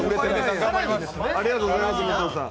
ありがとうございます武藤さん。